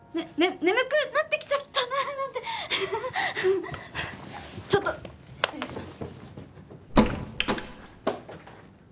眠くなってきちゃったななんてちょっと失礼します